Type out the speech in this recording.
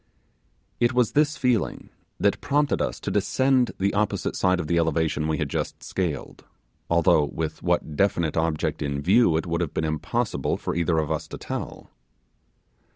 It was this feeling that prompted us to descend the opposite side of the elevation we had just scaled, although with what definite object in view it would have been impossible for either of us to tell.